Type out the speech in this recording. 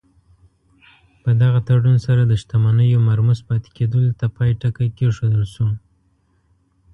په دغه تړون سره د شتمنیو مرموز پاتې کېدلو ته پای ټکی کېښودل شو.